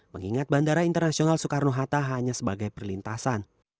mengingat bandara internasional soekarno hatta hanya sebagai perlintasan